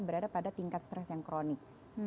berada pada tingkat stres yang kronik